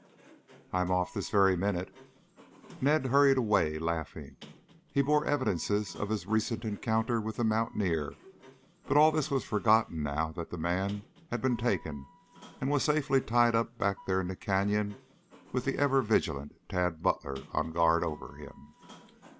"I'm off this very minute." Ned hurried away laughing. He bore evidences of his recent encounter with the mountaineer, but all this was forgotten now that the man had been taken and was safely tied up back there in the canyon with the ever vigilant Tad Butler on guard over him.